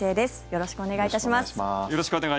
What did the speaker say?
よろしくお願いします。